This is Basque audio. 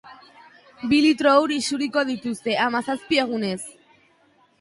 Bi litro ur isuriko dituzte, hamazazpi egunez.